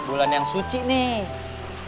bulan yang suci nih